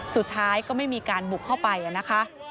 สุดท้ายก็ไม่มีการบุกเข้าไปนะคะ